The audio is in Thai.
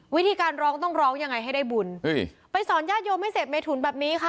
วิธีการร้องต้องร้องยังไงให้ได้บุญไปสอนญาติโยมให้เสพเมถุนแบบนี้ค่ะ